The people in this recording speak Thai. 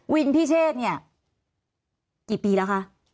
วินพี่เชศเนี่ยกี่ปีแล้วคะ